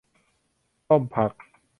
ต้มผัก